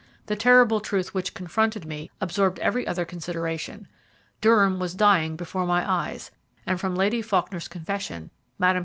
The terrible truth which confronted me absorbed every other consideration. Durham was dying before my eyes, and from Lady Faulkner's confession, Mme.